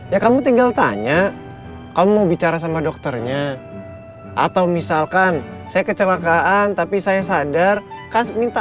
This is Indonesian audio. ya kamu tinggal tanya kamu mau bicara sama dokternya atau misalkan saya kecelakaan tapi saya sadar kan minta